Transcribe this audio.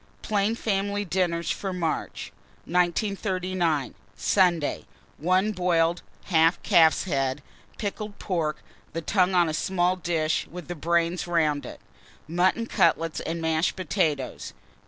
PLAIN FAMILY DINNERS FOR MARCH. 1939. Sunday. 1. Boiled 1/2 calf's head, pickled pork, the tongue on a small dish with the brains round it; mutton cutlets and mashed potatoes.